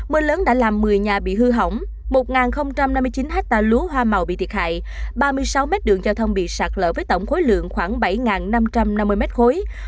mưa lớn đã làm một mươi nhà bị hư hỏng một năm mươi chín hectare lúa hoa màu bị thiệt hại ba mươi sáu mét đường giao thông bị sạt lở với tổng khối lượng khoảng bảy năm trăm năm mươi mét khối